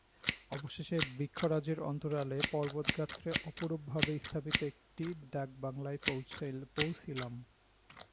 অবশেষে বৃক্ষরাজির অন্তরালে পর্বতগাত্রে অপরূপভাবে স্থাপিত একটি ডাকবাংলায় পৌঁছিলাম।